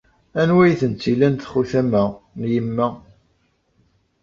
Anwa ay tent-ilan txutam-a? N yemma.